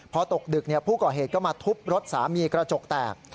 พอตกดึกผู้ก่อเหตุก็มาทุบรถสามีกระจกแตก